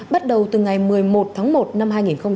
bắt đầu từ ngày một mươi một tháng một năm hai nghìn hai mươi